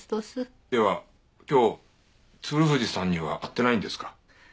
では今日鶴藤さんには会ってないんですか？